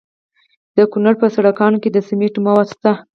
د کونړ په سرکاڼو کې د سمنټو مواد شته.